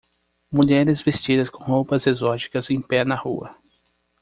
Mulheres vestidas com roupas exóticas em pé na rua